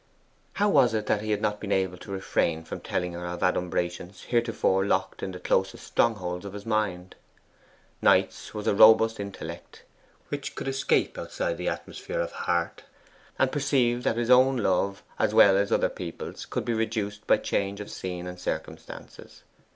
How was it that he had not been able to refrain from telling her of adumbrations heretofore locked in the closest strongholds of his mind? Knight's was a robust intellect, which could escape outside the atmosphere of heart, and perceive that his own love, as well as other people's, could be reduced by change of scene and circumstances.